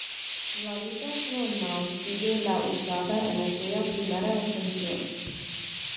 La ruta normal sigue la usada en aquella primera ascensión.